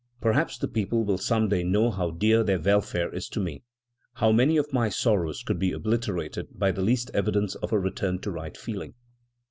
Perhaps the people will some day know how dear their welfare is to me. How many of my sorrows could be obliterated by the least evidence of a return to right feeling!"